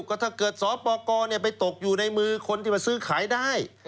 ก็ถ้าเกิดสปกรไปตกอยู่ในมือคนที่มาซื้อขายได้